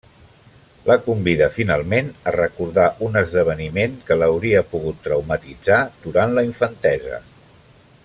La convida finalment a recordar un esdeveniment que l’hauria pogut traumatitzar durant la infantesa.